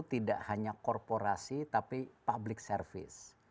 tidak hanya korporasi tapi public service